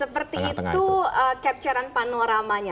seperti itu capture an panoramanya